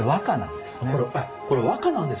えっこれ和歌なんですか？